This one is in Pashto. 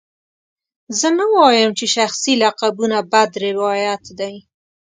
زه نه وایم چې شخصي لقبونه بد روایت دی.